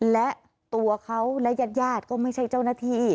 และตัวเขาและญาติก็ไม่ใช่เจ้าหน้าที่